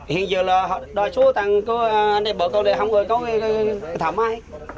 hiện giờ đòi số tàu này bờ không có thợ máy